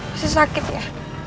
masih sakit ya